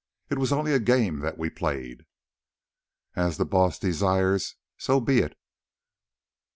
It was only a game that we played." "As the Baas desires, so be it.